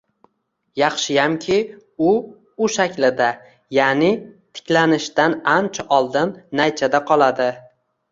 Yaxshiyamki, u U shaklida, ya'ni tiklanishdan ancha oldin "naychada qoladi"